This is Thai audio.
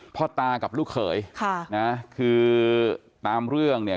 พ่อตากับลูกเขยค่ะนะคือตามเรื่องเนี่ย